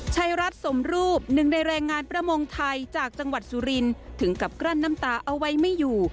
ชายรัฐสมรูปหนึ่งในแรงงานประมงไทยจากจังหวัดสุรินถึงกับกลั้นน้ำตาเอาไว้ไม่อยู่